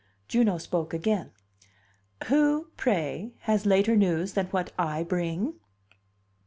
Juno spoke again. "Who, pray, has later news than what I bring?"